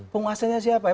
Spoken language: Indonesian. penguasanya siapa ya